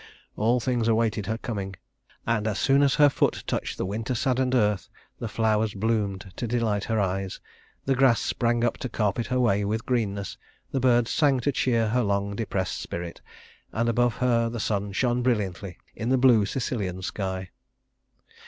All things awaited her coming; and as soon as her foot touched the winter saddened earth the flowers bloomed to delight her eyes, the grass sprang up to carpet her way with greenness, the birds sang to cheer her long depressed spirit, and above her the sun shone brilliantly in the blue Sicilian sky.